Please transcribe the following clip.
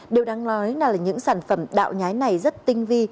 điều đáng nói là những sản phẩm đạo nhái này rất tinh vi